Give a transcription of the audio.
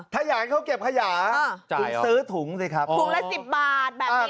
ถ้าอยากให้เขาเก็บขยะคุณซื้อถุงสิครับถุงละ๑๐บาทแบบนี้